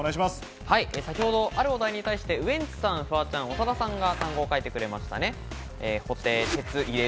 先ほど、あるお題に対してウエンツさんとフワちゃんと長田さんが単語を書いてくれました。